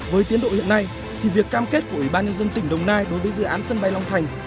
với tiến độ hiện nay thì việc cam kết của ủy ban nhân dân tỉnh đồng nai đối với dự án sân bay long thành